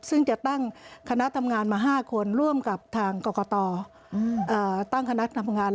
ซึ่งจะตั้งคณะทำงานมา๕คนร่วมกับทางกรกตตั้งคณะทำงาน